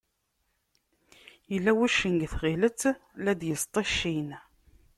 Yella wuccen deg tɣilet, la d-yesṭiccin.